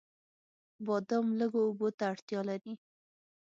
بادام لږو اوبو ته اړتیا لري.